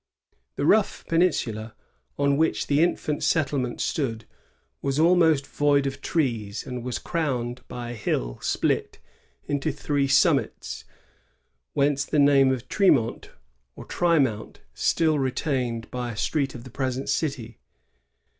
The rough peninsula on which the infant settlement stood was almost void of trees, and was crowned by a hill split into three summits, — whence the name of Tremont, or Trimount, still retaihed by a street of the present city.